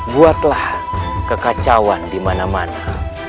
buatlah kekacauan di mana mana